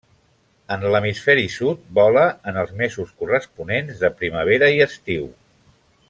En l'hemisferi sud vola en els mesos corresponents de primavera i estiu.